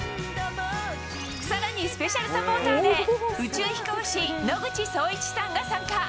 さらに、スペシャルサポーターで、宇宙飛行士、野口聡一さんが参加。